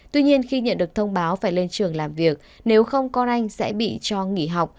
tuy nhiên khi nhận được thông báo phải lên trường làm việc nếu không con anh sẽ bị cho nghỉ học